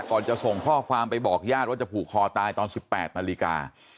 จะส่งข้อความไปบอกญาติว่าจะผูกคอตายตอน๑๘นาฬิกา